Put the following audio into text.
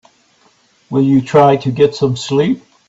Will you try to get some sleep?